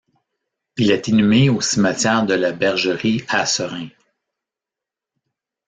Il est inhumé au Cimetière de la Bergerie à Seraing.